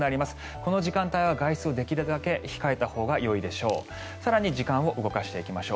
この時間帯は外出をできるだけ控えたほうがよいでしょう。